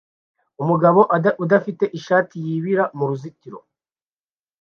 Umugabo udafite ishati yibira muruzitiro